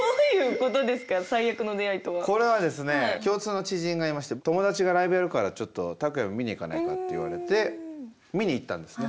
これはですね共通の知人がいまして友達がライブやるからちょっとタクヤも見に行かないかって言われて見に行ったんですね。